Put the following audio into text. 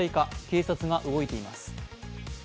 警察が動いています。